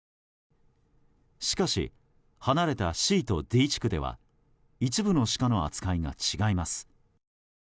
しかし、離れたＣとＤ地区では一部のシカの扱いが違います。